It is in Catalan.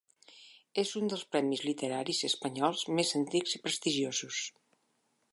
És un dels premis literaris espanyols més antics i prestigiosos.